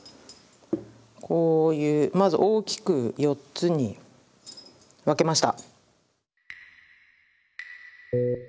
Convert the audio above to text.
こういうまず大きく４つに分けました。